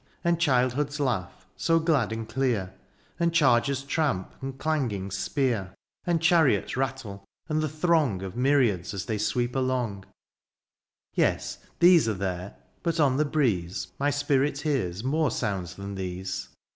And childhood's laugh so glad and clear. And charger's tramp, and clanging spear. THE AREOPAGITE. 65 And chariot's rattle^ and the throng Of myriads as they sweep along : Yes, these are there, but on the breeze My spirit hears more sounds than these.